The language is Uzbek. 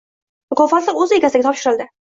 Mukofotlar o‘z egalariga topshirildi